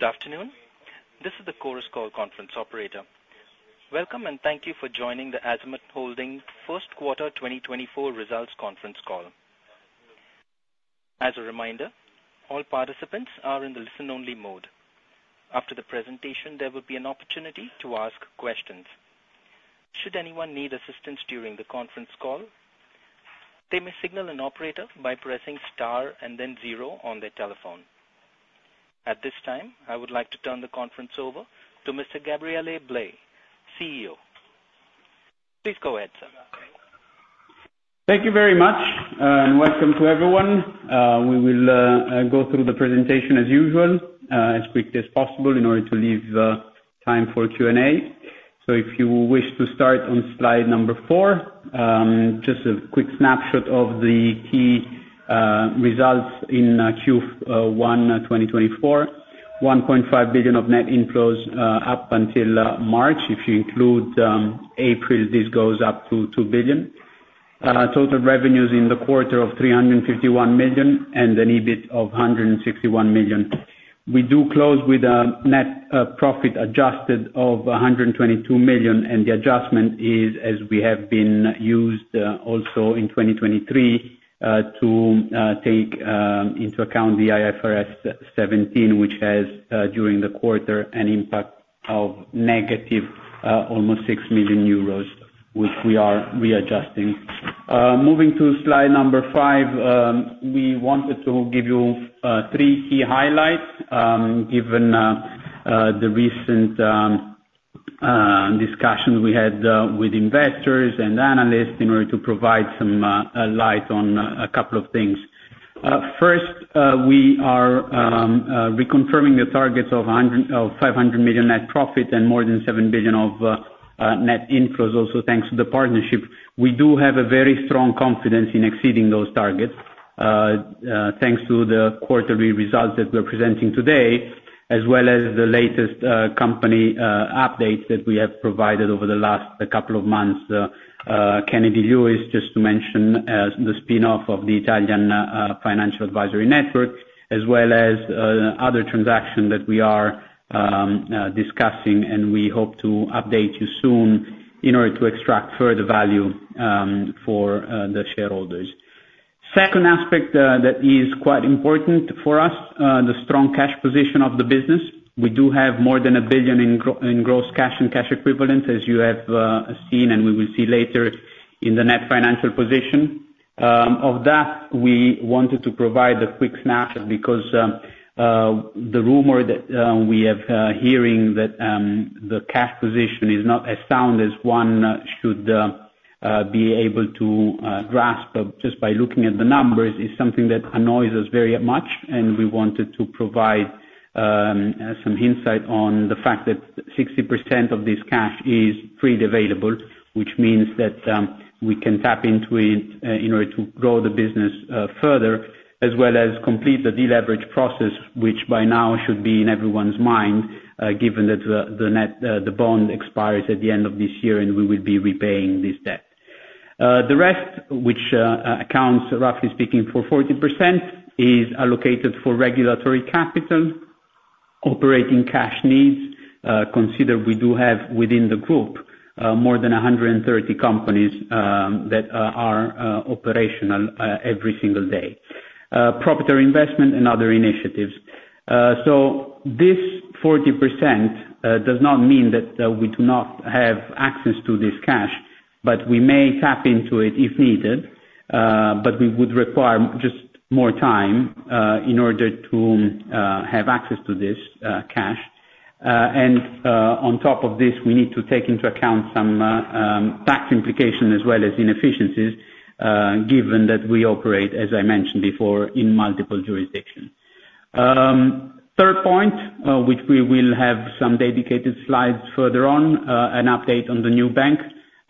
Good afternoon. This is the conference call operator. Welcome and thank you for joining the Azimut Holding First Quarter 2024 Results Conference Call. As a reminder, all participants are in the listen-only mode. After the presentation, there will be an opportunity to ask questions. Should anyone need assistance during the conference call, they may signal an operator by pressing star and then zero on their telephone. At this time, I would like to turn the conference over to Mr. Gabriele Blei, CEO. Please go ahead, sir. Thank you very much, and welcome to everyone. We will go through the presentation as usual, as quickly as possible, in order to leave time for Q&A. So if you wish to start on slide number four, just a quick snapshot of the key results in Q1 2024: 1.5 billion of net inflows up until March. If you include April, this goes up to 2 billion. Total revenues in the quarter of 351 million, and an EBIT of 161 million. We do close with a net profit adjusted of 122 million, and the adjustment is, as we have been used also in 2023, to take into account the IFRS 17, which has, during the quarter, an impact of negative almost 6 million euros, which we are readjusting. Moving to slide number 5, we wanted to give you three key highlights, given the recent discussions we had with investors and analysts, in order to provide some light on a couple of things. First, we are reconfirming the targets of 500 million net profit and more than 7 billion of net inflows, also thanks to the partnership. We do have a very strong confidence in exceeding those targets, thanks to the quarterly results that we're presenting today, as well as the latest company updates that we have provided over the last couple of months. Kennedy Lewis, just to mention, the spin-off of the Italian Financial Advisory Network, as well as other transactions that we are discussing, and we hope to update you soon in order to extract further value for the shareholders. Second aspect that is quite important for us: the strong cash position of the business. We do have more than 1 billion in gross cash and cash equivalents, as you have seen and we will see later, in the net financial position. Of that, we wanted to provide a quick snapshot because the rumor that we've been hearing that the cash position is not as sound as one should be able to grasp just by looking at the numbers is something that annoys us very much, and we wanted to provide some hints on the fact that 60% of this cash is freely available, which means that we can tap into it in order to grow the business further, as well as complete the deleverage process, which by now should be in everyone's mind, given that the bond expires at the end of this year and we will be repaying this debt. The rest, which accounts, roughly speaking, for 40%, is allocated for regulatory capital, operating cash needs, considering we do have, within the group, more than 130 companies that are operational every single day, property investment, and other initiatives. So this 40% does not mean that we do not have access to this cash, but we may tap into it if needed, but we would require just more time in order to have access to this cash. On top of this, we need to take into account some tax implications as well as inefficiencies, given that we operate, as I mentioned before, in multiple jurisdictions. Third point, which we will have some dedicated slides further on, an update on the new bank.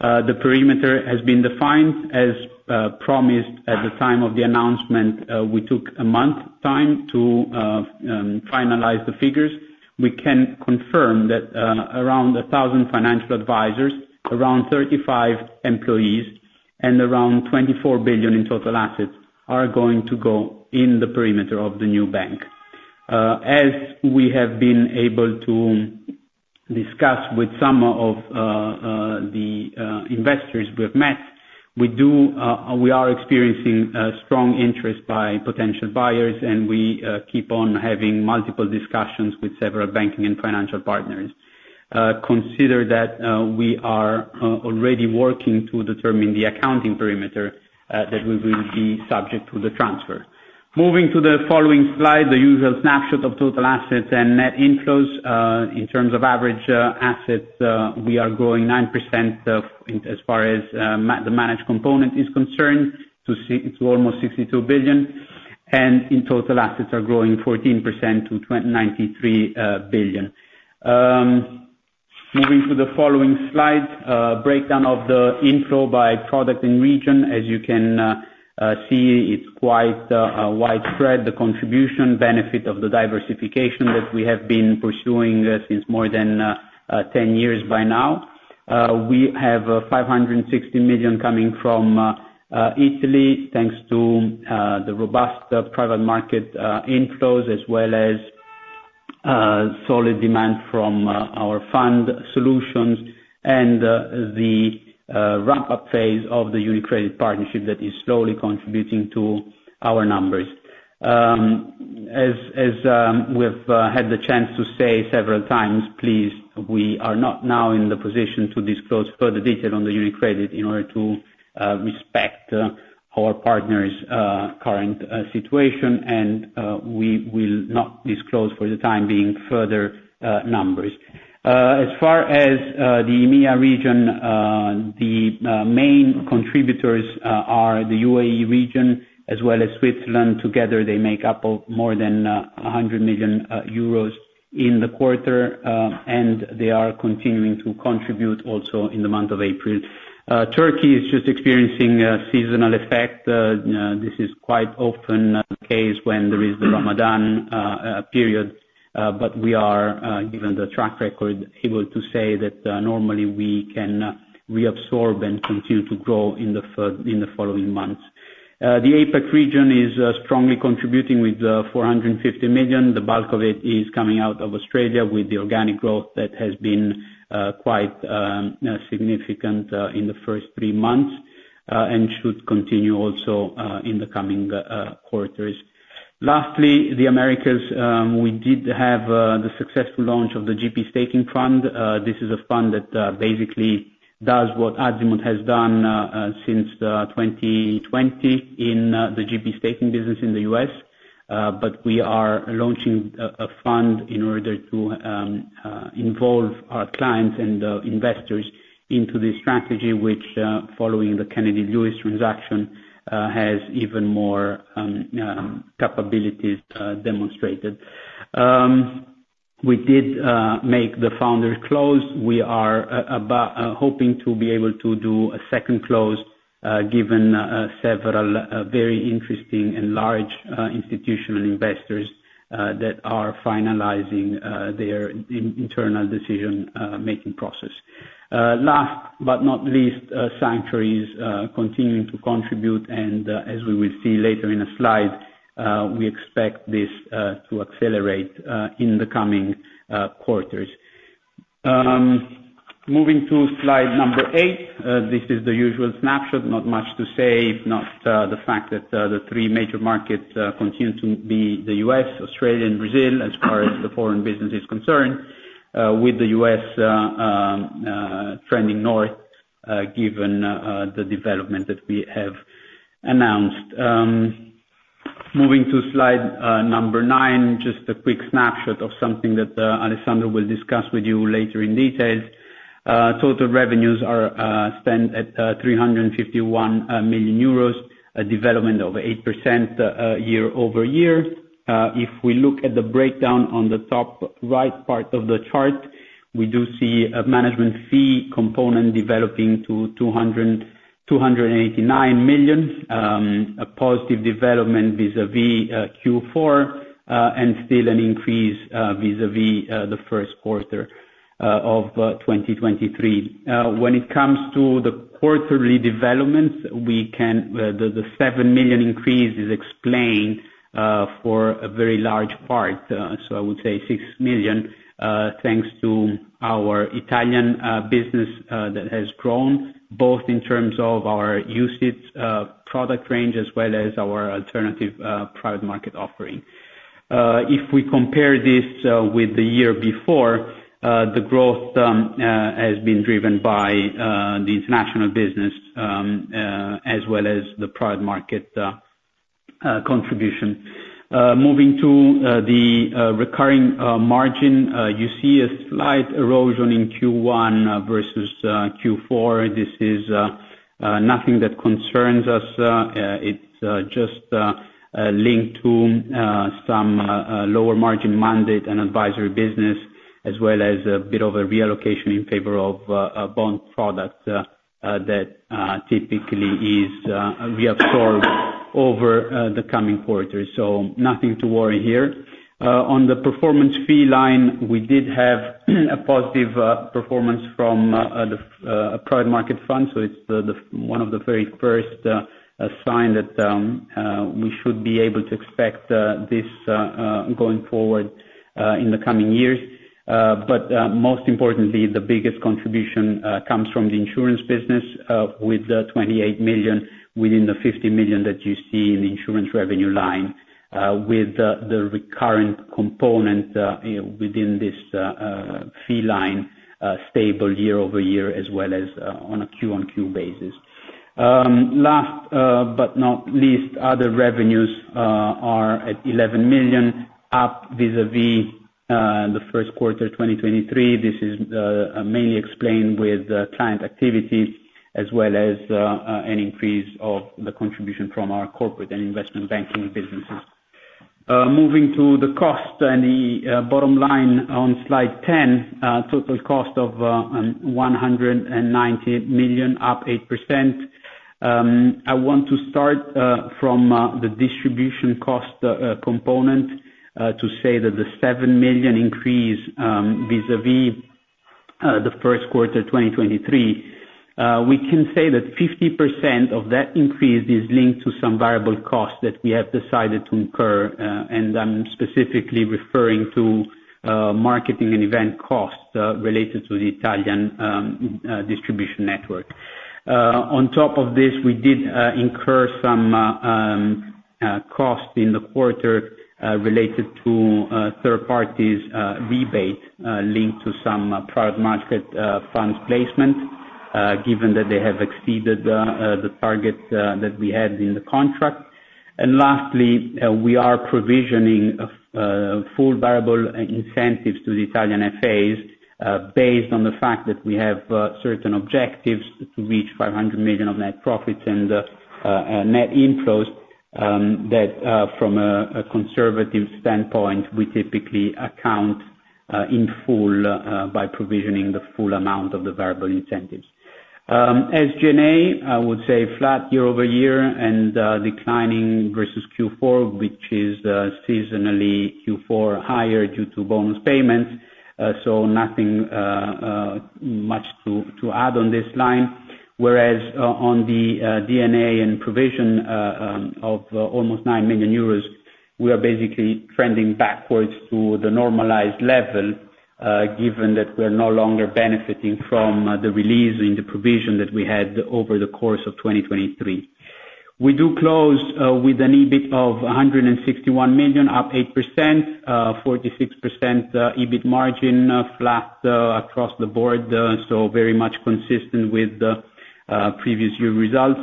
The perimeter has been defined. As promised at the time of the announcement, we took a month's time to finalize the figures. We can confirm that around 1,000 financial advisors, around 35 employees, and around 24 billion in total assets are going to go in the perimeter of the new bank. As we have been able to discuss with some of the investors we have met, we are experiencing strong interest by potential buyers, and we keep on having multiple discussions with several banking and financial partners. Consider that we are already working to determine the accounting perimeter that we will be subject to the transfer. Moving to the following slide, the usual snapshot of total assets and net inflows. In terms of average assets, we are growing 9% as far as the managed component is concerned to almost 62 billion, and in total assets are growing 14% to 93 billion. Moving to the following slide, breakdown of the inflow by product and region. As you can see, it's quite widespread, the contribution benefit of the diversification that we have been pursuing since more than 10 years by now. We have 560 million coming from Italy, thanks to the robust private market inflows, as well as solid demand from our fund solutions, and the ramp-up phase of the UniCredit partnership that is slowly contributing to our numbers. As we have had the chance to say several times, please, we are not now in the position to disclose further detail on the UniCredit in order to respect our partners' current situation, and we will not disclose, for the time being, further numbers. As far as the EMEA region, the main contributors are the UAE region, as well as Switzerland. Together, they make up more than 100 million euros in the quarter, and they are continuing to contribute also in the month of April. Turkey is just experiencing a seasonal effect. This is quite often the case when there is the Ramadan period, but we are, given the track record, able to say that normally we can reabsorb and continue to grow in the following months. The APAC region is strongly contributing with 450 million. The bulk of it is coming out of Australia, with the organic growth that has been quite significant in the first three months and should continue also in the coming quarters. Lastly, the Americas. We did have the successful launch of the GP Staking Fund. This is a fund that basically does what Azimut has done since 2020 in the GP Staking business in the U.S., but we are launching a fund in order to involve our clients and investors into this strategy, which, following the Kennedy Lewis transaction, has even more capabilities demonstrated. We did make the founders' close. We are hoping to be able to do a second close, given several very interesting and large institutional investors that are finalizing their internal decision-making process. Last but not least, Sanctuary continues to contribute, and as we will see later in a slide, we expect this to accelerate in the coming quarters. Moving to slide number 8. This is the usual snapshot. Not much to say, if not the fact that the three major markets continue to be the U.S., Australia, and Brazil, as far as the foreign business is concerned, with the U.S. trending north, given the development that we have announced. Moving to slide number 9, just a quick snapshot of something that Alessandro will discuss with you later in detail. Total revenues stand at 351 million euros, a development of 8% year-over-year. If we look at the breakdown on the top right part of the chart, we do see a management fee component developing to 289 million, a positive development vis-à-vis Q4, and still an increase vis-à-vis the first quarter of 2023. When it comes to the quarterly developments, the 7 million increase is explained for a very large part, so I would say 6 million, thanks to our Italian business that has grown, both in terms of our UCITS product range as well as our alternative private market offering. If we compare this with the year before, the growth has been driven by the international business as well as the private market contribution. Moving to the recurring margin, you see a slight erosion in Q1 versus Q4. This is nothing that concerns us. It's just linked to some lower margin mandate and advisory business, as well as a bit of a reallocation in favor of bond product that typically is reabsorbed over the coming quarters, so nothing to worry here. On the performance fee line, we did have a positive performance from the private market fund, so it's one of the very first signs that we should be able to expect this going forward in the coming years. But most importantly, the biggest contribution comes from the insurance business, with 28 million within the 50 million that you see in the insurance revenue line, with the recurrent component within this fee line stable year-over-year as well as on a Q-on-Q basis. Last but not least, other revenues are at 11 million up vis-à-vis the first quarter 2023. This is mainly explained with client activity as well as an increase of the contribution from our corporate and investment banking businesses. Moving to the cost and the bottom line on slide 10, total cost of 190 million up 8%. I want to start from the distribution cost component to say that the 7 million increase vis-à-vis the first quarter 2023, we can say that 50% of that increase is linked to some variable costs that we have decided to incur, and I'm specifically referring to marketing and event costs related to the Italian distribution network. On top of this, we did incur some costs in the quarter related to third parties rebate linked to some private market funds placement, given that they have exceeded the target that we had in the contract. Lastly, we are provisioning full variable incentives to the Italian FAs based on the fact that we have certain objectives to reach 500 million of net profits and net inflows that, from a conservative standpoint, we typically account in full by provisioning the full amount of the variable incentives. As G&A, I would say flat year-over-year and declining versus Q4, which is seasonally Q4 higher due to bonus payments, so nothing much to add on this line. Whereas on the D&A and provision of almost 9 million euros, we are basically trending backwards to the normalized level, given that we are no longer benefiting from the release in the provision that we had over the course of 2023. We do close with an EBIT of 161 million up 8%, 46% EBIT margin flat across the board, so very much consistent with previous year results,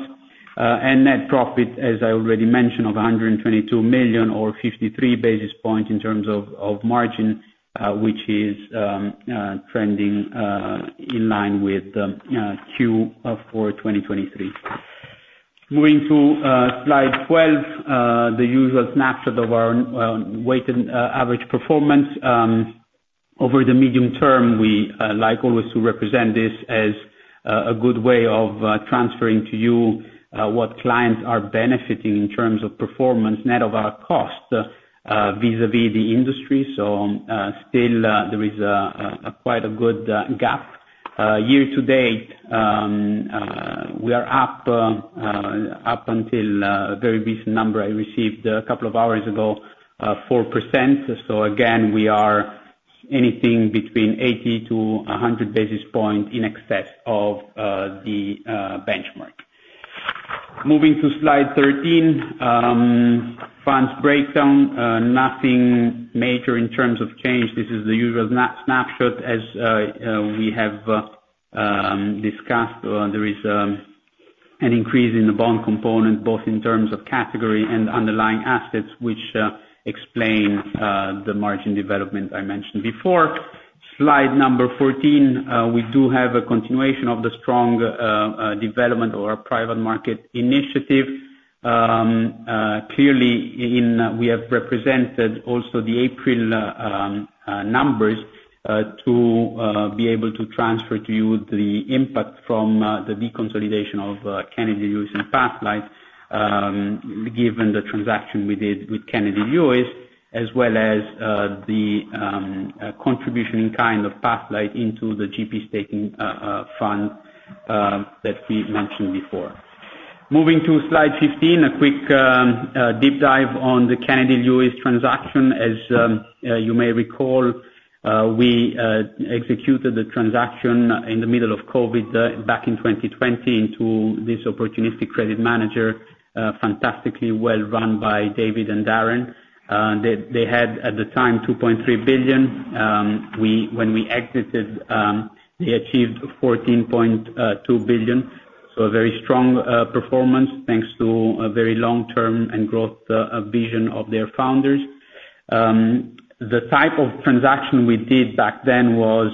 and net profit, as I already mentioned, of 122 million or 53 basis points in terms of margin, which is trending in line with Q4 2023. Moving to slide 12, the usual snapshot of our weighted average performance. Over the medium term, we like always to represent this as a good way of transferring to you what clients are benefiting in terms of performance, net of our cost vis-à-vis the industry, so still there is quite a good gap. Year to date, we are up, up until a very recent number I received a couple of hours ago, 4%, so again, we are anything between 80-100 basis points in excess of the benchmark. Moving to slide 13, funds breakdown, nothing major in terms of change. This is the usual snapshot. As we have discussed, there is an increase in the bond component, both in terms of category and underlying assets, which explain the margin development I mentioned before. Slide number 14, we do have a continuation of the strong development of our private market initiative. Clearly, we have represented also the April numbers to be able to transfer to you the impact from the deconsolidation of Kennedy Lewis in Pathlight, given the transaction we did with Kennedy Lewis, as well as the contribution in kind of Pathlight into the GP Staking Fund that we mentioned before. Moving to slide 15, a quick deep dive on the Kennedy Lewis transaction. As you may recall, we executed the transaction in the middle of COVID back in 2020 into this Opportunistic Credit Manager, fantastically well run by David and Darren. They had, at the time, 2.3 billion. When we exited, they achieved 14.2 billion, so a very strong performance thanks to a very long-term and growth vision of their founders. The type of transaction we did back then was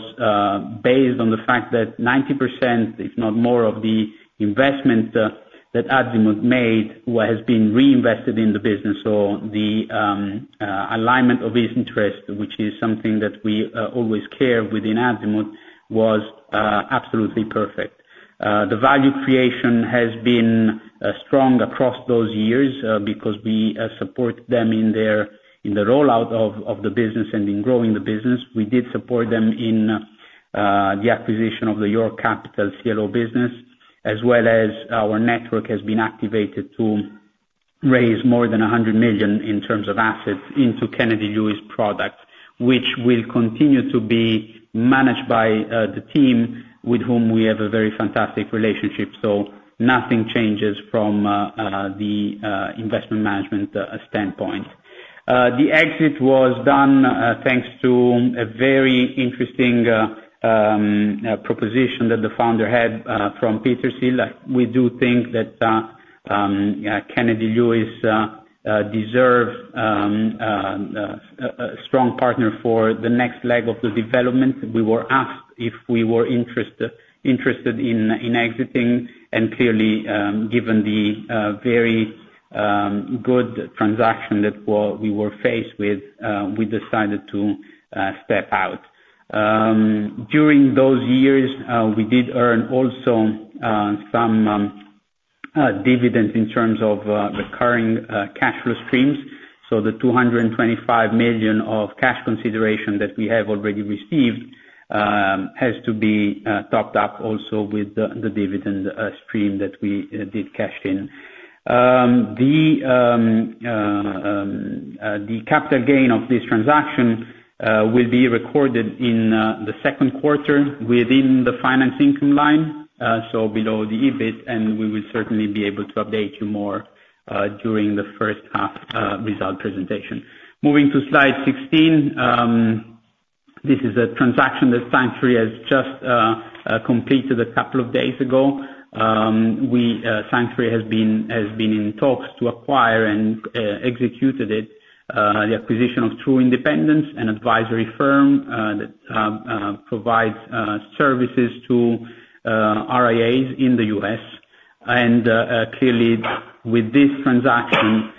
based on the fact that 90%, if not more, of the investment that Azimut made has been reinvested in the business, so the alignment of its interest, which is something that we always care within Azimut, was absolutely perfect. The value creation has been strong across those years because we support them in the rollout of the business and in growing the business. We did support them in the acquisition of the York Capital CLO business, as well as our network has been activated to raise more than 100 million in terms of assets into Kennedy Lewis product, which will continue to be managed by the team with whom we have a very fantastic relationship, so nothing changes from the investment management standpoint. The exit was done thanks to a very interesting proposition that the founder had from Petershill. We do think that Kennedy Lewis deserves a strong partner for the next leg of the development. We were asked if we were interested in exiting, and clearly, given the very good transaction that we were faced with, we decided to step out. During those years, we did earn also some dividends in terms of recurring cash flow streams, so the 225 million of cash consideration that we have already received has to be topped up also with the dividend stream that we did cash in. The capital gain of this transaction will be recorded in the second quarter within the finance income line, so below the EBIT, and we will certainly be able to update you more during the first half result presentation. Moving to slide 16, this is a transaction that Sanctuary has just completed a couple of days ago. Sanctuary has been in talks to acquire and executed it, the acquisition of True Independence, an advisory firm that provides services to RIAs in the U.S. Clearly, with this transaction,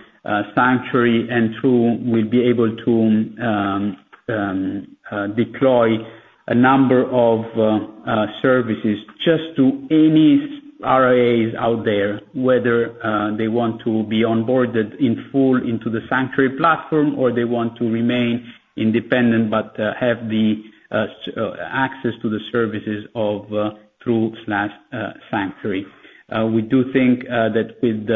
Sanctuary and True will be able to deploy a number of services just to any RIAs out there, whether they want to be onboarded in full into the Sanctuary platform or they want to remain independent but have access to the services of True/Sanctuary. We do think that with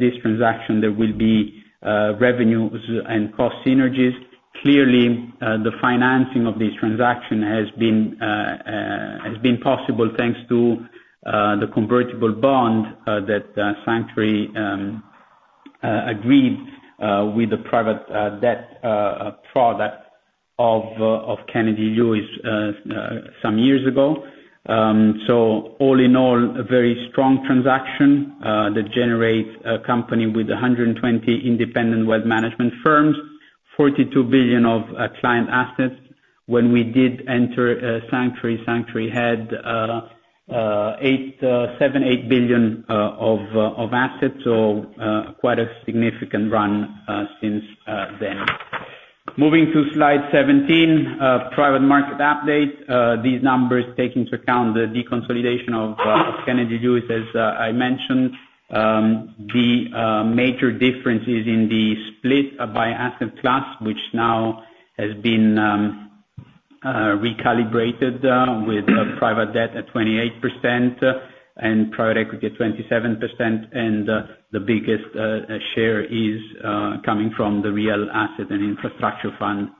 this transaction, there will be revenues and cost synergies. Clearly, the financing of this transaction has been possible thanks to the convertible bond that Sanctuary agreed with the private debt product of Kennedy Lewis some years ago. So all in all, a very strong transaction that generates a company with 120 independent wealth management firms, $42 billion of client assets. When we did enter Sanctuary, Sanctuary had $7 billion-$8 billion of assets, so quite a significant run since then. Moving to slide 17, private market update. These numbers take into account the deconsolidation of Kennedy Lewis, as I mentioned. The major difference is in the split by asset class, which now has been recalibrated with private debt at 28% and private equity at 27%, and the biggest share is coming from the Real Asset and Infrastructure Fund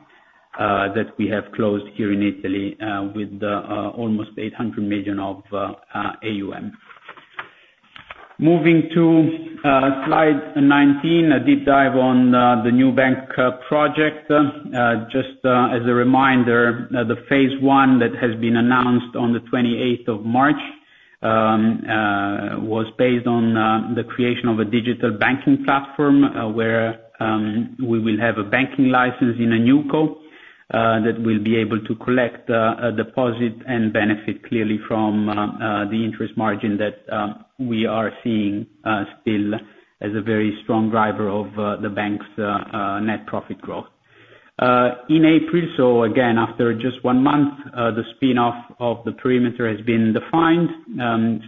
that we have closed here in Italy with almost 800 million of AUM. Moving to slide 19, a deep dive on the new bank project. Just as a reminder, the phase one that has been announced on the 28th of March was based on the creation of a digital banking platform where we will have a banking license in a new code that will be able to collect a deposit and benefit clearly from the interest margin that we are seeing still as a very strong driver of the bank's net profit growth. In April, so again, after just one month, the spin-off of the perimeter has been defined,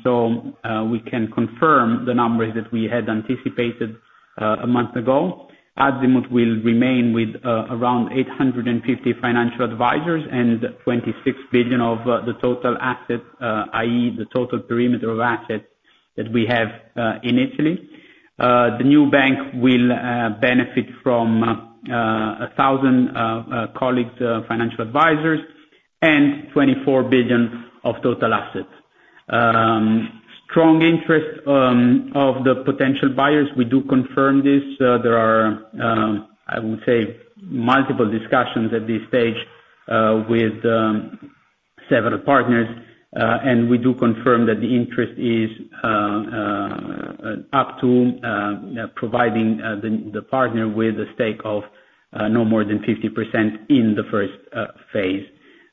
so we can confirm the numbers that we had anticipated a month ago. Azimut will remain with around 850 financial advisors and 26 billion of the total assets, i.e., the total perimeter of assets that we have in Italy. The new bank will benefit from 1,000 colleagues financial advisors and 24 billion of total assets. Strong interest of the potential buyers. We do confirm this. There are, I would say, multiple discussions at this stage with several partners, and we do confirm that the interest is up to providing the partner with a stake of no more than 50% in the first phase.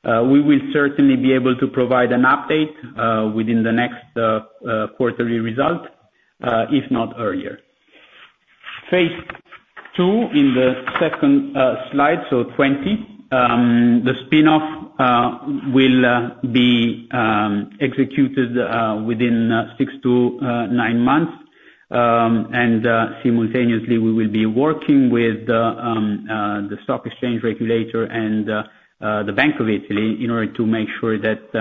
We will certainly be able to provide an update within the next quarterly result, if not earlier. Phase II in the 2nd slide, so 20, the spin-off will be executed within 6-9 months, and simultaneously, we will be working with the stock exchange regulator and the Bank of Italy in order to make sure that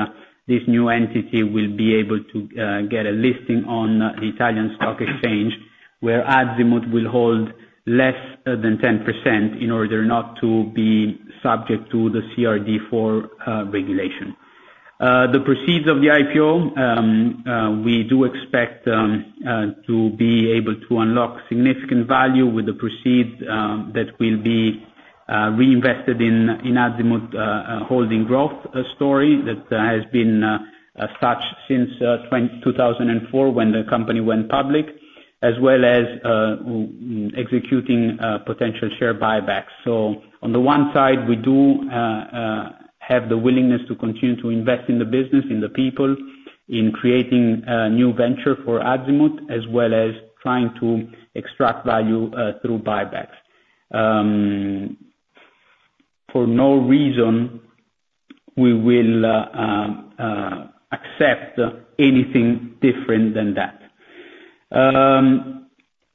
this new entity will be able to get a listing on the Italian stock exchange, where Azimut will hold less than 10% in order not to be subject to the CRD IV regulation. The proceeds of the IPO, we do expect to be able to unlock significant value with the proceeds that will be reinvested in Azimut Holding growth story that has been such since 2004 when the company went public, as well as executing potential share buybacks. So on the one side, we do have the willingness to continue to invest in the business, in the people, in creating a new venture for Azimut, as well as trying to extract value through buybacks. For no reason, we will accept anything different than that.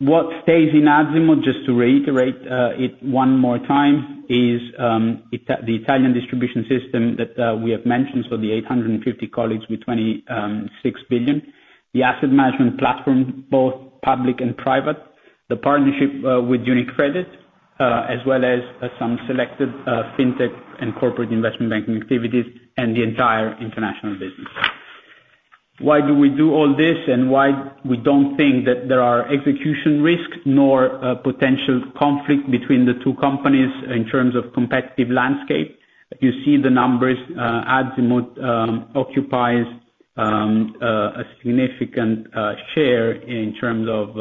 What stays in Azimut, just to reiterate it one more time, is the Italian distribution system that we have mentioned, so the 850 colleagues with 26 billion, the asset management platform, both public and private, the partnership with UniCredit, as well as some selected fintech and corporate investment banking activities, and the entire international business. Why do we do all this, and why we don't think that there are execution risks nor potential conflict between the two companies in terms of competitive landscape? You see the numbers. Azimut occupies a significant share in terms of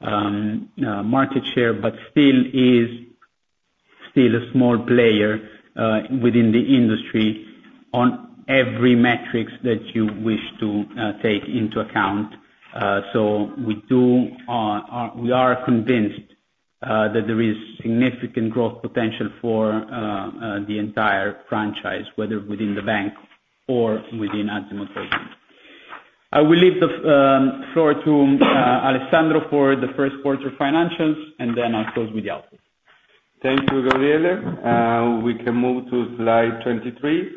market share, but still is a small player within the industry on every metrics that you wish to take into account. So we are convinced that there is significant growth potential for the entire franchise, whether within the bank or within Azimut Holding. I will leave the floor to Alessandro for the first quarter financials, and then I'll close with the output. Thank you, Gabriele. We can move to slide 23.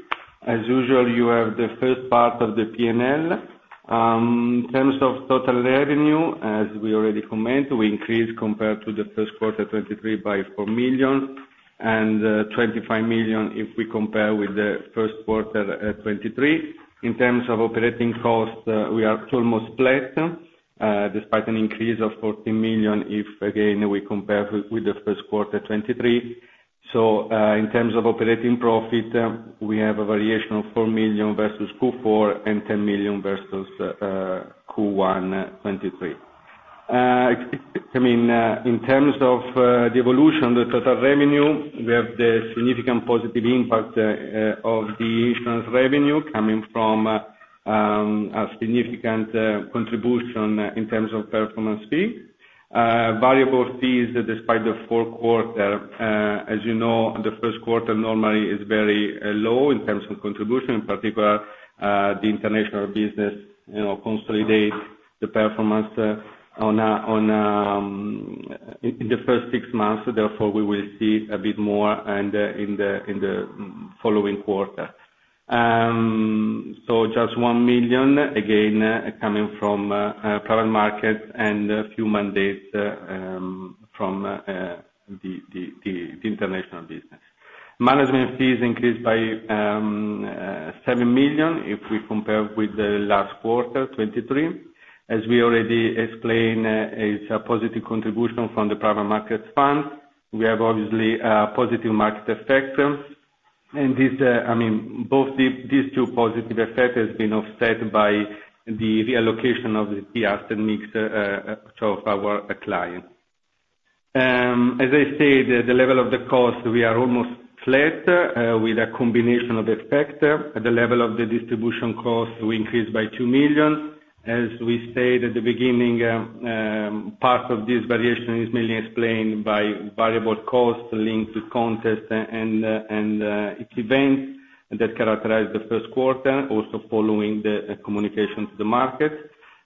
As usual, you have the first part of the P&L. In terms of total revenue, as we already commented, we increased compared to the first quarter 2023 by 4 million and 25 million if we compare with the first quarter 2023. In terms of operating costs, we are almost flat despite an increase of 14 million if, again, we compare with the first quarter 2023. So in terms of operating profit, we have a variation of 4 million versus Q4 and 10 million versus Q1 2023. I mean, in terms of the evolution of the total revenue, we have the significant positive impact of the insurance revenue coming from a significant contribution in terms of performance fee. Variable fees despite the fourth quarter. As you know, the first quarter normally is very low in terms of contribution. In particular, the international business consolidates the performance in the first six months. Therefore, we will see a bit more in the following quarter. So just 1 million, again, coming from private markets and a few mandates from the international business. Management fees increased by 7 million if we compare with the last quarter, 2023. As we already explained, it's a positive contribution from the private markets fund. We have, obviously, a positive market effect, and I mean, both these two positive effects have been offset by the reallocation of the asset mix of our client. As I said, the level of the costs, we are almost flat with a combination of effects. At the level of the distribution costs, we increased by 2 million. As we stated at the beginning, part of this variation is mainly explained by variable costs linked to conferences and events that characterize the first quarter, also following the communication to the markets.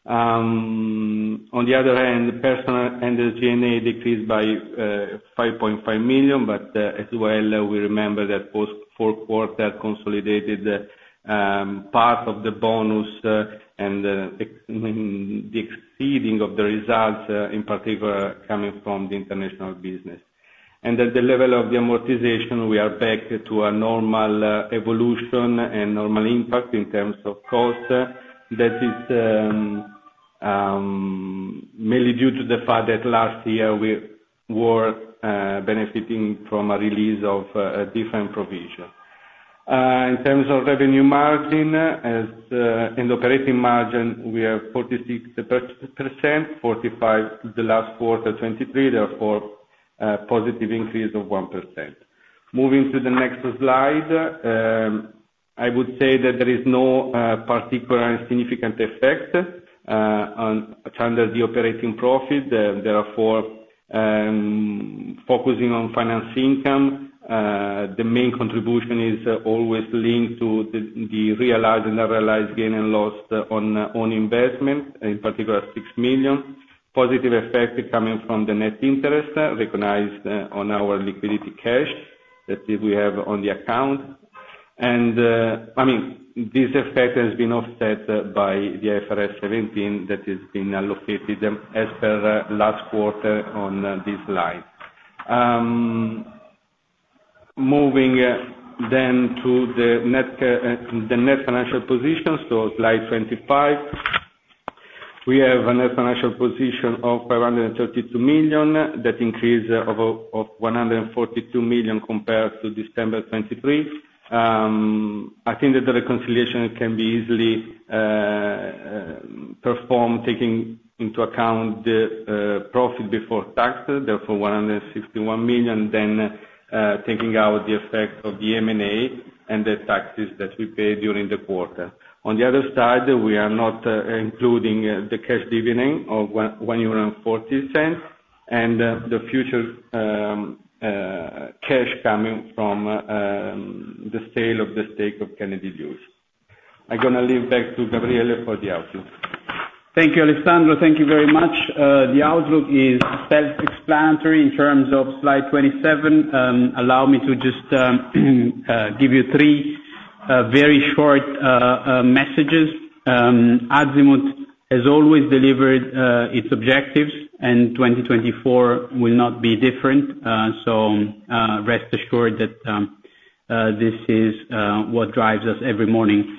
On the other hand, personnel and the G&A decreased by 5.5 million, but as well, we remember that post-fourth quarter consolidated part of the bonus and the exceeding of the results, in particular, coming from the international business. And at the level of the amortization, we are back to a normal evolution and normal impact in terms of costs. That is mainly due to the fact that last year, we were benefiting from a release of a different provision. In terms of revenue margin and operating margin, we have 46%, 45% the last quarter, 2023. Therefore, positive increase of 1%. Moving to the next slide, I would say that there is no particular significant effect under the operating profit. Therefore, focusing on finance income, the main contribution is always linked to the realized and unrealized gain and loss on investment, in particular, 6 million. Positive effect coming from the net interest recognized on our liquidity cash that we have on the account. And I mean, this effect has been offset by the IFRS 17 that has been allocated as per last quarter on this line. Moving then to the net financial position, so slide 25, we have a net financial position of 532 million. That increase of 142 million compared to December 2023. I think that the reconciliation can be easily performed, taking into account the profit before tax. Therefore, 161 million, then taking out the effect of the M&A and the taxes that we paid during the quarter. On the other side, we are not including the cash dividend of 1.40 euro and the future cash coming from the sale of the stake of Kennedy Lewis. I'm going to leave back to Gabriele for the output. Thank you, Alessandro. Thank you very much. The outlook is self-explanatory in terms of slide 27. Allow me to just give you three very short messages. Azimut, as always, delivered its objectives, and 2024 will not be different. So rest assured that this is what drives us every morning.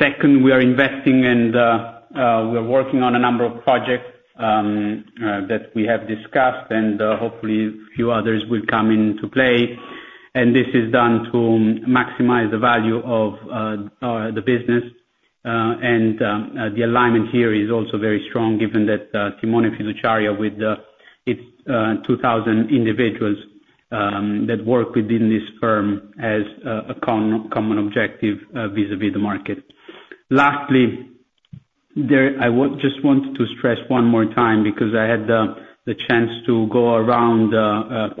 Second, we are investing, and we are working on a number of projects that we have discussed, and hopefully, a few others will come into play. This is done to maximize the value of the business. The alignment here is also very strong given that Timone Fiduciaria, with its 2,000 individuals that work within this firm, has a common objective vis-à-vis the market. Lastly, I just want to stress one more time because I had the chance to go around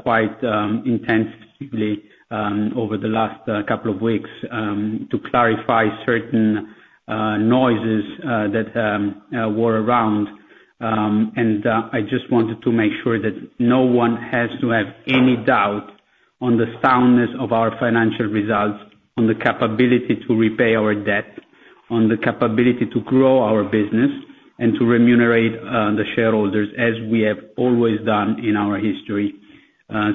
quite intensively over the last couple of weeks to clarify certain noises that were around. I just wanted to make sure that no one has to have any doubt on the soundness of our financial results, on the capability to repay our debt, on the capability to grow our business, and to remunerate the shareholders as we have always done in our history.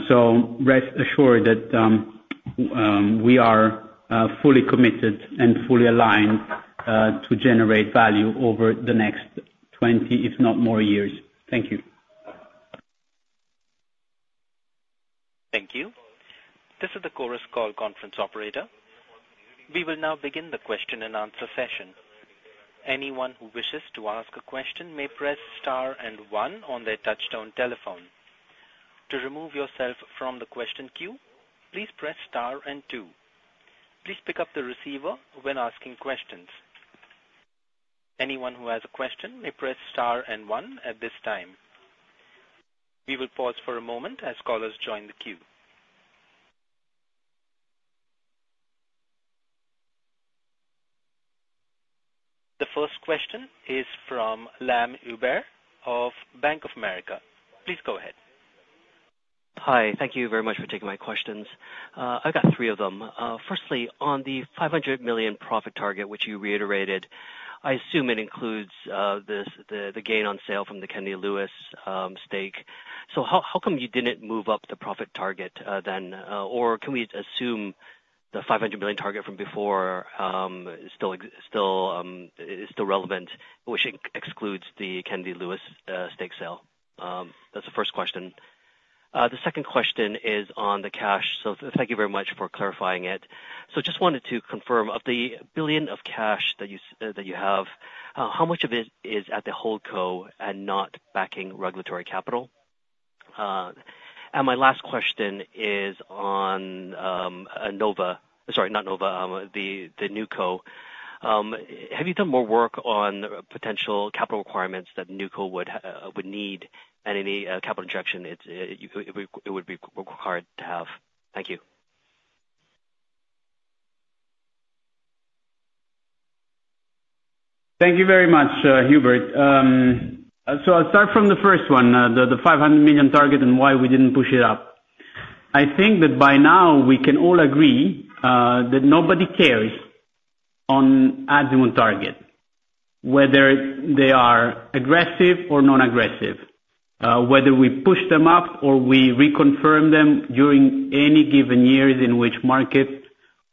So rest assured that we are fully committed and fully aligned to generate value over the next 20, if not more, years. Thank you. Thank you. This is the Chorus Call conference operator. We will now begin the question-and-answer session. Anyone who wishes to ask a question may press star and one on their touch-tone telephone. To remove yourself from the question queue, please press star and two. Please pick up the receiver when asking questions. Anyone who has a question may press star and one at this time. We will pause for a moment as callers join the queue. The first question is from Lam Hubert of Bank of America. Please go ahead. Hi. Thank you very much for taking my questions. I've got three of them. Firstly, on the 500 million profit target, which you reiterated, I assume it includes the gain on sale from the Kennedy Lewis stake. So how come you didn't move up the profit target then? Or can we assume the 500 million target from before is still relevant, which excludes the Kennedy Lewis stake sale? That's the first question. The second question is on the cash. So thank you very much for clarifying it. So just wanted to confirm, of the 1 billion of cash that you have, how much of it is at the hold co and not backing regulatory capital? And my last question is on a Nova sorry, not Nova, the new co. Have you done more work on potential capital requirements that new co would need and any capital injection it would be required to have? Thank you. Thank you very much, Hubert. So I'll start from the first one, the 500 million target and why we didn't push it up. I think that by now, we can all agree that nobody cares on Azimut target, whether they are aggressive or non-aggressive, whether we push them up or we reconfirm them during any given years in which markets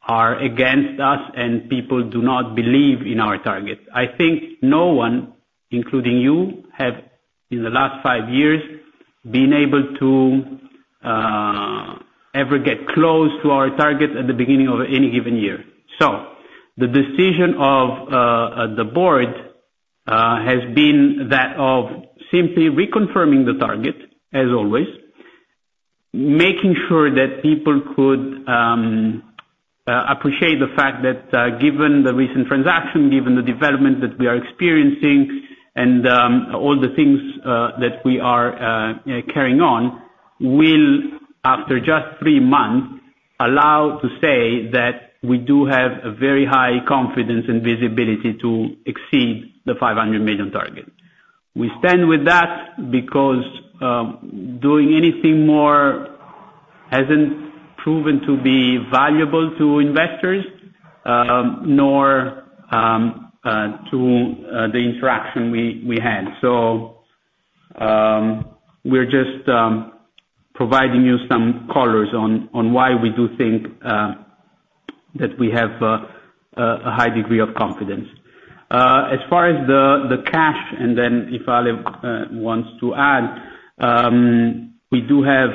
are against us and people do not believe in our target. I think no one, including you, have in the last five years been able to ever get close to our target at the beginning of any given year. So the decision of the board has been that of simply reconfirming the target, as always, making sure that people could appreciate the fact that, given the recent transaction, given the development that we are experiencing, and all the things that we are carrying on, will, after just three months, allow to say that we do have a very high confidence and visibility to exceed the 500 million target. We stand with that because doing anything more hasn't proven to be valuable to investors nor to the interaction we had. So we're just providing you some colors on why we do think that we have a high degree of confidence. As far as the cash, and then if Alev wants to add, we do have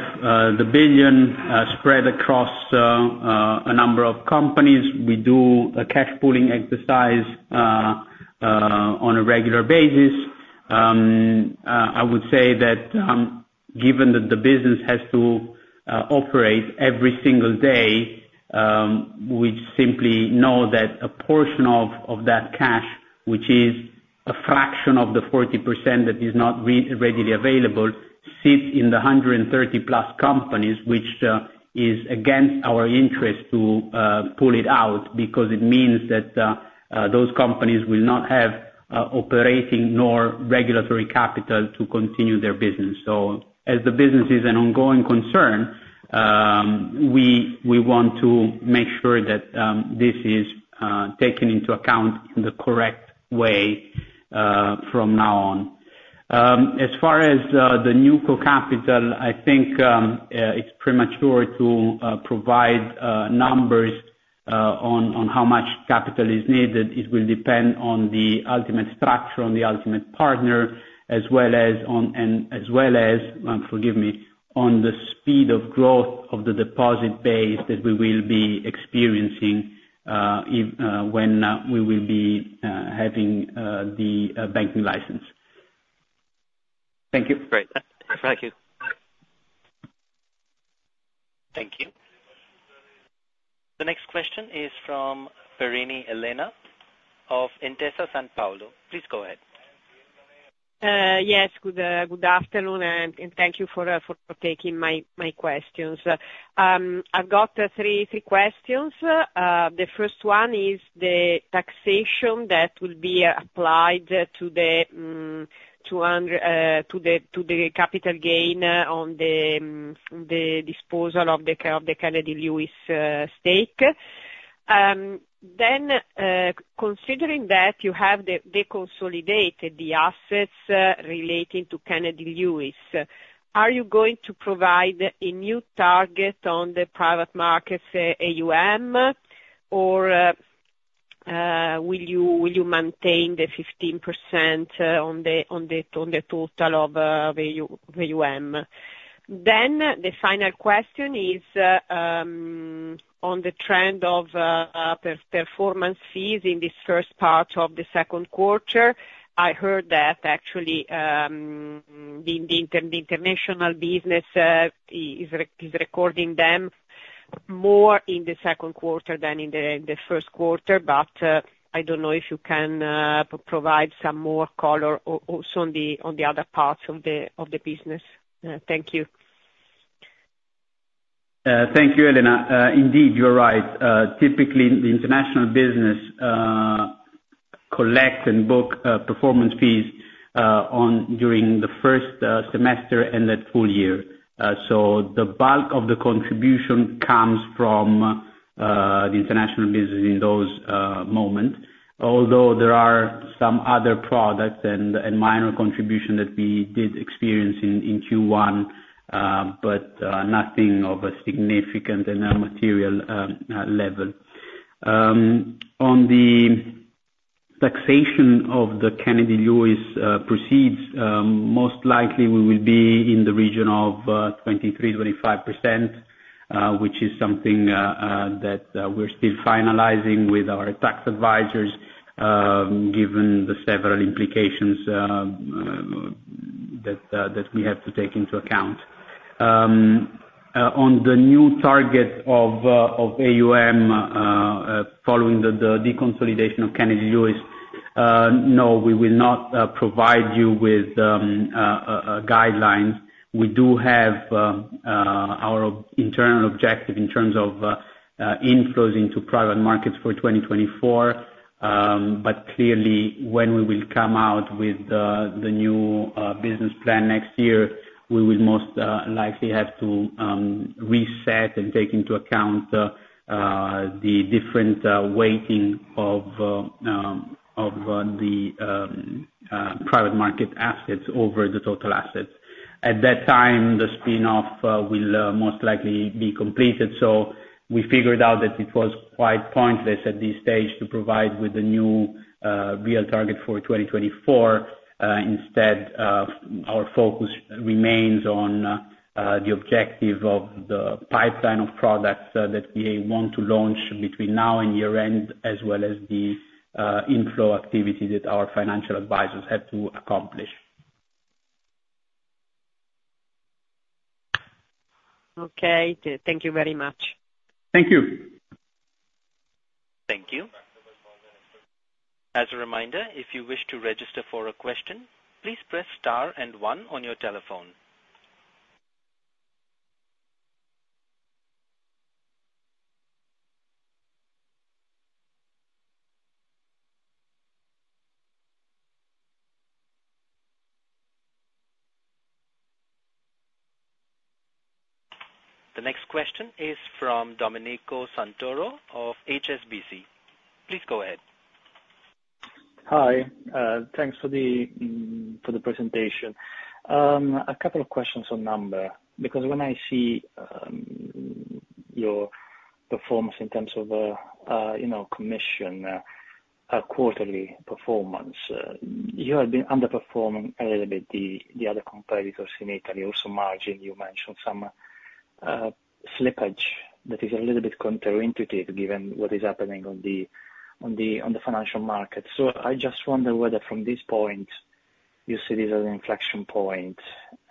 the 1 billion spread across a number of companies. We do a cash pooling exercise on a regular basis. I would say that given that the business has to operate every single day, we simply know that a portion of that cash, which is a fraction of the 40% that is not readily available, sits in the 130+ companies, which is against our interest to pull it out because it means that those companies will not have operating nor regulatory capital to continue their business. So as the business is an ongoing concern, we want to make sure that this is taken into account in the correct way from now on. As far as the new capital, I think it's premature to provide numbers on how much capital is needed. It will depend on the ultimate structure, on the ultimate partner, as well as on, forgive me, on the speed of growth of the deposit base that we will be experiencing when we will be having the banking license. Thank you. Great. Thank you. Thank you. The next question is from Perini Elena of Intesa Sanpaolo. Please go ahead. Yes. Good afternoon, and thank you for taking my questions. I've got three questions. The first one is the taxation that will be applied to the capital gain on the disposal of the Kennedy Lewis stake. Then, considering that you have consolidated the assets relating to Kennedy Lewis, are you going to provide a new target on the private markets AUM, or will you maintain the 15% on the total of AUM? Then, the final question is on the trend of performance fees in this first part of the second quarter. I heard that, actually, the international business is recording them more in the second quarter than in the first quarter, but I don't know if you can provide some more color also on the other parts of the business. Thank you. Thank you, Elena. Indeed, you're right. Typically, the international business collects and books performance fees during the first semester and that full year. So the bulk of the contribution comes from the international business in those moments, although there are some other products and minor contributions that we did experience in Q1, but nothing of a significant and a material level. On the taxation of the Kennedy Lewis proceeds, most likely, we will be in the region of 23%-25%, which is something that we're still finalizing with our tax advisors given the several implications that we have to take into account. On the new target of AUM following the deconsolidation of Kennedy Lewis, no, we will not provide you with guidelines. We do have our internal objective in terms of inflows into private markets for 2024. But clearly, when we will come out with the new business plan next year, we will most likely have to reset and take into account the different weighting of the private market assets over the total assets. At that time, the spin-off will most likely be completed. So we figured out that it was quite pointless at this stage to provide with a new real target for 2024. Instead, our focus remains on the objective of the pipeline of products that we want to launch between now and year-end, as well as the inflow activities that our financial advisors have to accomplish. Okay. Thank you very much. Thank you. Thank you. As a reminder, if you wish to register for a question, please press star and one on your telephone. The next question is from Domenico Santoro of HSBC. Please go ahead. Hi. Thanks for the presentation. A couple of questions on number because when I see your performance in terms of commission, quarterly performance, you have been underperforming a little bit the other competitors in Italy, also margin. You mentioned some slippage that is a little bit counterintuitive given what is happening on the financial markets. So I just wonder whether, from this point, you see this as an inflection point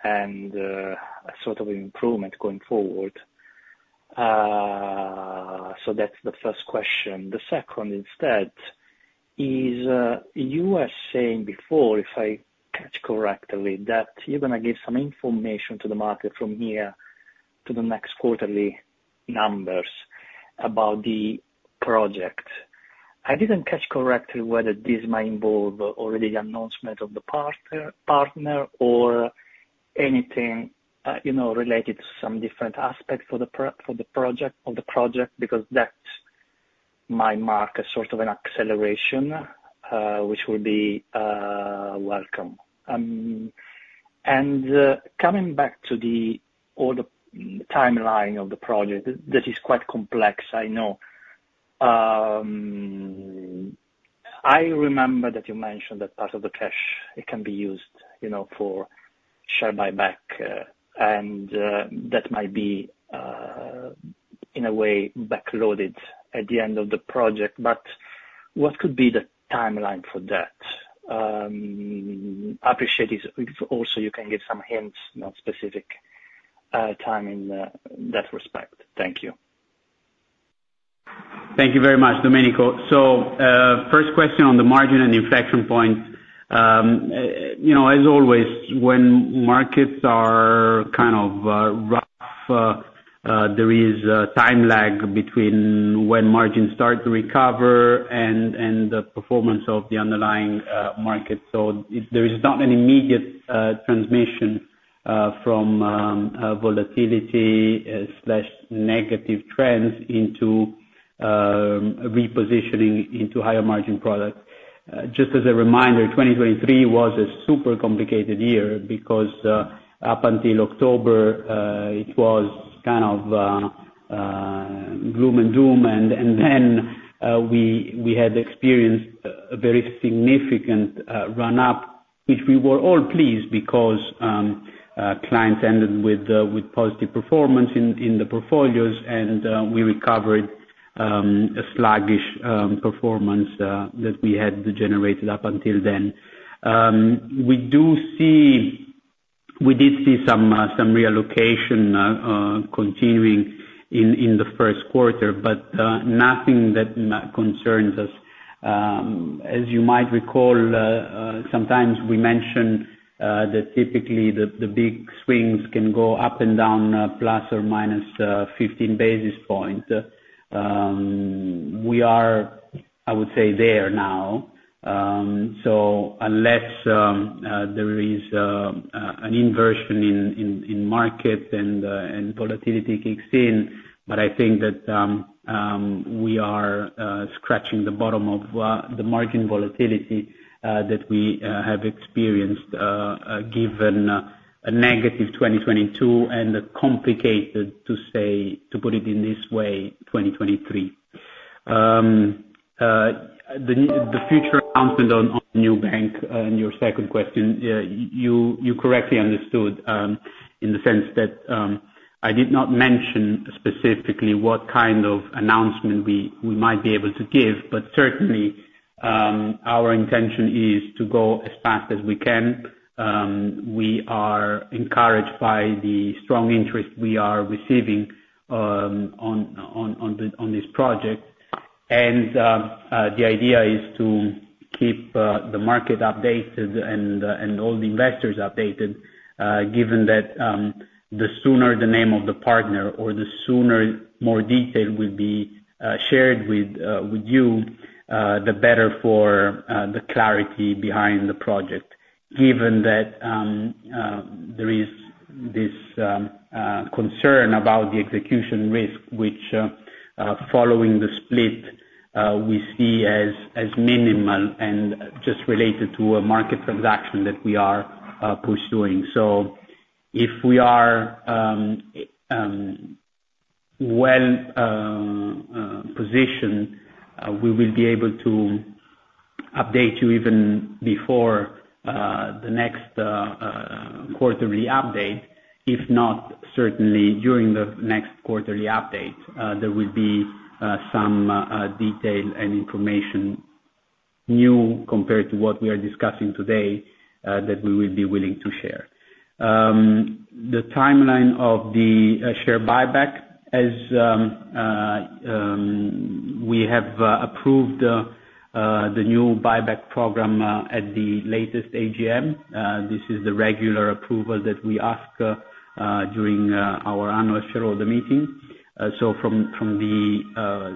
and a sort of improvement going forward. So that's the first question. The second, instead, is you were saying before, if I catch correctly, that you're going to give some information to the market from here to the next quarterly numbers about the project. I didn't catch correctly whether this might involve already the announcement of the partner or anything related to some different aspects of the project because that might mark a sort of an acceleration, which will be welcome. And coming back to the timeline of the project, this is quite complex, I know. I remember that you mentioned that part of the cash, it can be used for share buyback, and that might be, in a way, backloaded at the end of the project. But what could be the timeline for that? I appreciate if, also, you can give some hints, specific time in that respect. Thank you. Thank you very much, Domenico. So first question on the margin and inflection point. As always, when markets are kind of rough, there is time lag between when margins start to recover and the performance of the underlying market. So there is not an immediate transmission from volatility, negative trends into repositioning into higher-margin products. Just as a reminder, 2023 was a super complicated year because, up until October, it was kind of gloom and doom. And then we had experienced a very significant run-up, which we were all pleased because clients ended with positive performance in the portfolios, and we recovered a sluggish performance that we had generated up until then. We did see some reallocation continuing in the first quarter, but nothing that concerns us. As you might recall, sometimes we mention that, typically, the big swings can go up and down ±15 basis points. We are, I would say, there now. So unless there is an inversion in market and volatility kicks in, but I think that we are scratching the bottom of the margin volatility that we have experienced given a negative 2022 and a complicated, to put it in this way, 2023. The future announcement on the new bank and your second question, you correctly understood in the sense that I did not mention specifically what kind of announcement we might be able to give. Certainly, our intention is to go as fast as we can. We are encouraged by the strong interest we are receiving on this project. The idea is to keep the market updated and all the investors updated given that the sooner the name of the partner or the sooner more detail will be shared with you, the better for the clarity behind the project given that there is this concern about the execution risk, which, following the split, we see as minimal and just related to a market transaction that we are pursuing. So if we are well-positioned, we will be able to update you even before the next quarterly update. If not, certainly, during the next quarterly update, there will be some detail and information new compared to what we are discussing today that we will be willing to share. The timeline of the share buyback, as we have approved the new buyback program at the latest AGM, this is the regular approval that we ask during our annual shareholder meeting. So from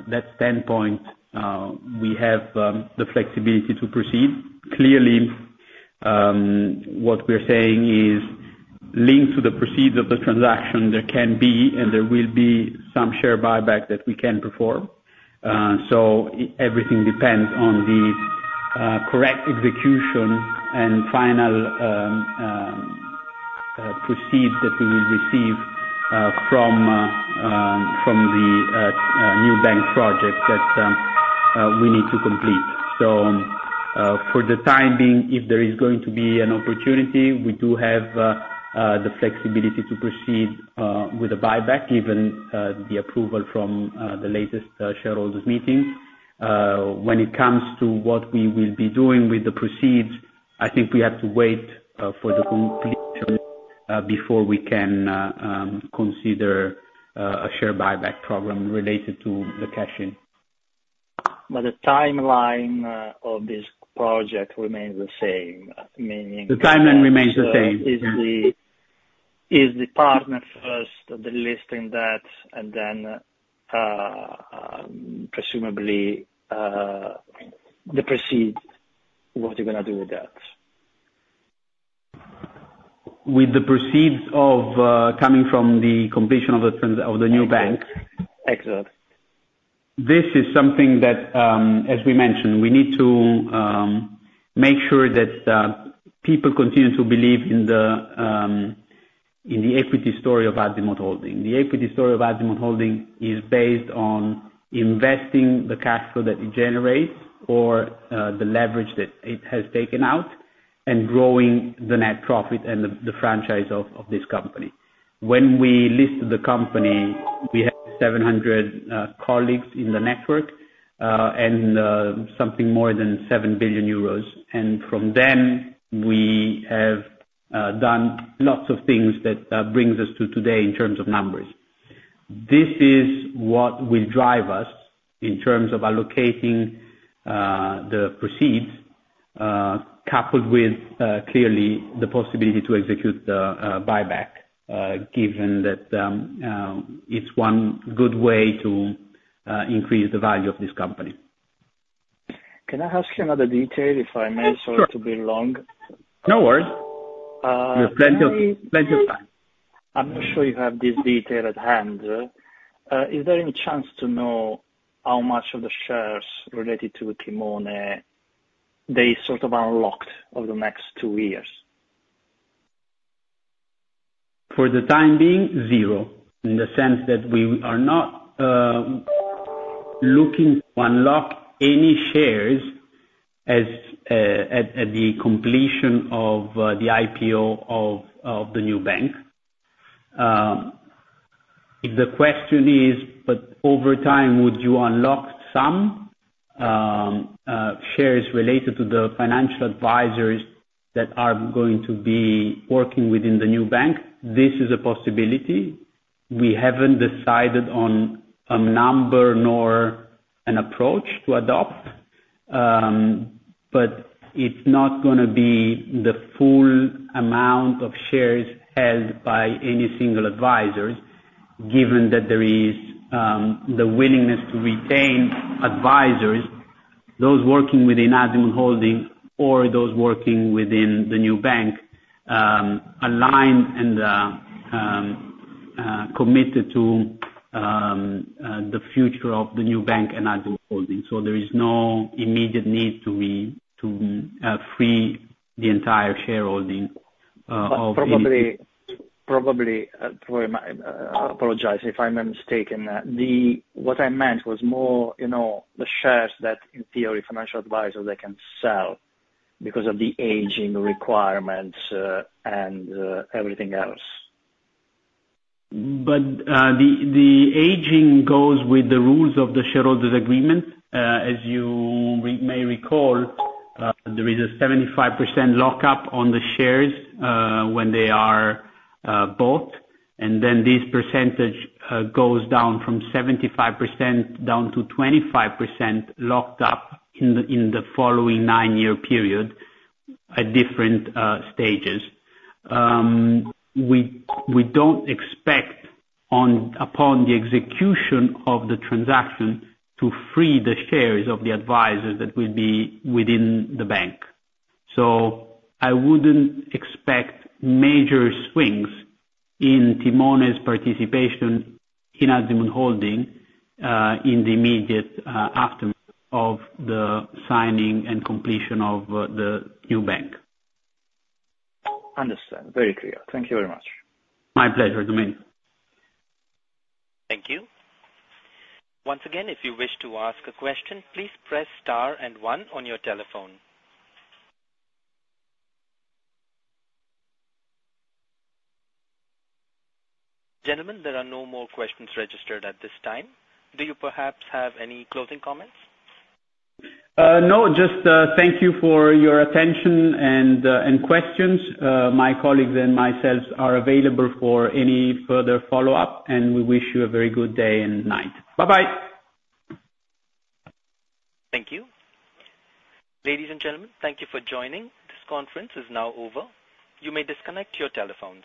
that standpoint, we have the flexibility to proceed. Clearly, what we're saying is, linked to the proceeds of the transaction, there can be and there will be some share buyback that we can perform. So everything depends on the correct execution and final proceeds that we will receive from the new bank project that we need to complete. So for the time being, if there is going to be an opportunity, we do have the flexibility to proceed with a buyback given the approval from the latest shareholders' meeting. When it comes to what we will be doing with the proceeds, I think we have to wait for the completion before we can consider a share buyback program related to the cash-in. But the timeline of this project remains the same, meaning that that is the partner first delisting that and then, presumably, the proceeds, what you're going to do with that? With the proceeds coming from the completion of the new bank? Exactly. This is something that, as we mentioned, we need to make sure that people continue to believe in the equity story of Azimut Holding. The equity story of Azimut Holding is based on investing the capital that it generates or the leverage that it has taken out and growing the net profit and the franchise of this company. When we listed the company, we had 700 colleagues in the network and something more than 7 billion euros. From then, we have done lots of things that brings us to today in terms of numbers. This is what will drive us in terms of allocating the proceeds coupled with, clearly, the possibility to execute the buyback given that it's one good way to increase the value of this company. Can I ask you another detail, if I may, sorry to be long? No worries. We have plenty of time. I'm not sure you have this detail at hand. Is there any chance to know how much of the shares related to Timone, they sort of unlocked over the next two years? For the time being, zero in the sense that we are not looking to unlock any shares at the completion of the IPO of the new bank. The question is, but over time, would you unlock some shares related to the financial advisors that are going to be working within the new bank? This is a possibility. We haven't decided on a number nor an approach to adopt. But it's not going to be the full amount of shares held by any single advisors given that there is the willingness to retain advisors, those working within Azimut Holding or those working within the new bank, aligned and committed to the future of the new bank and Azimut Holding. So there is no immediate need to free the entire shareholding of any of these. Probably, my apologies if I'm mistaken. What I meant was more the shares that, in theory, financial advisors, they can sell because of the vesting requirements and everything else. But the vesting goes with the rules of the shareholders' agreement. As you may recall, there is a 75% lockup on the shares when they are bought. And then this percentage goes down from 75% down to 25% locked up in the following nine-year period at different stages. We don't expect, upon the execution of the transaction, to free the shares of the advisors that will be within the bank. So I wouldn't expect major swings in Timone's participation in Azimut Holding in the immediate aftermath of the signing and completion of the new bank. Understood. Very clear. Thank you very much. My pleasure, Domenico. Thank you. Once again, if you wish to ask a question, please press star and one on your telephone. Gentlemen, there are no more questions registered at this time. Do you perhaps have any closing comments? No. Just thank you for your attention and questions. My colleagues and myself are available for any further follow-up. We wish you a very good day and night. Bye-bye. Thank you. Ladies and gentlemen, thank you for joining. This conference is now over. You may disconnect your telephones.